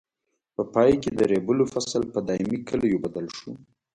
په پای کې د ریبلو فصل په دایمي کلیو بدل شو.